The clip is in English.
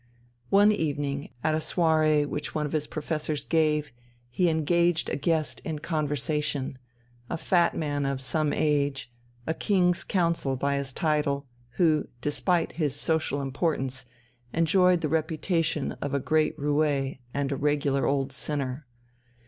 One evening, at a soirée which one of his professors gave, he engaged a guest in conversation a fat man of some age, a King's Counsel by his title, who, despite his social importance, enjoyed the reputation of a great roué and a regular old sinner.